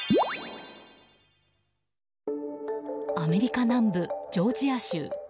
アメリカ南部ジョージア州。